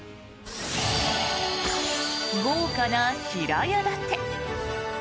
豪華な平屋建て。